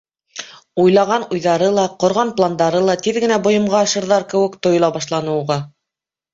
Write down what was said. Уйлаған уйҙары ла, ҡорған пландары ла тиҙ генә бойомға ашырҙар кеүек тойола башланы уға.